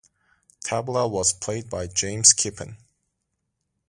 Tabla was played by James Kippen.